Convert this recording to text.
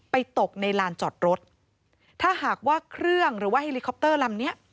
ไปตกในลานจอดรถถ้าหากว่าหรือว่าเห้ลิคอปเตอร์ลำเนี้ย